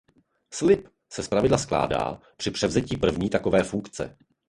Slib se zpravidla skládá při převzetí první takové funkce.